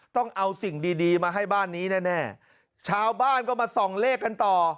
ต้องเอาสิ่งดีดีมาให้บ้านนี้แน่แน่ชาวบ้านก็มาส่องเลขกันต่อ